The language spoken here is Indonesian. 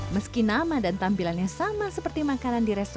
meski nama dan tampilannya sama seperti makanan di restoran